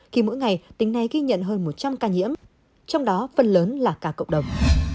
khi mỗi ngày tỉnh này ghi nhận hơn một trăm linh ca nhiễm trong đó phần lớn là cả cộng đồng